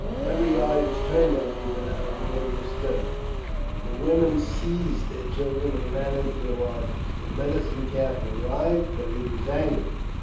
" Every eye was turned on me, but not a warrior stirred : the women seized their children and ran into lodges. The Medicine Calf had arrived, but he angry.